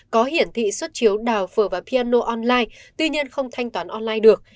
có hiển thị xuất chiếu đào phở và piano online tuy nhiên không thanh toán online được